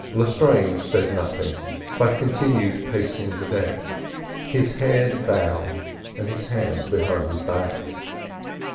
Lestrange said nothing, but continued pacing the deck, his head bowed and his hands behind his back.